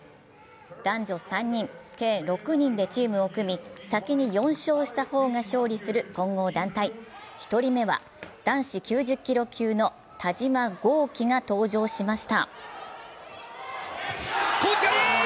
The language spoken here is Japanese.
男女３人、計６人でチームを組み、先に４勝した方が勝利する混合団体１人目は男子９０キロ級の田嶋剛希が登場しました。